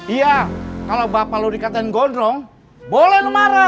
iya kalau bapak lo dikatain gondrong boleh lo marah